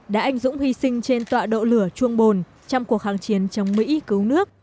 đã ảnh dũng hy sinh trên tọa độ lửa trung bồn trong cuộc kháng chiến chống mỹ cứu nước